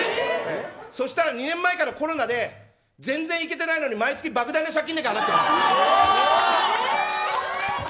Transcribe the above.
そうしたら２年前からコロナで全然行けてないのに毎年、莫大な借金だけ払ってます。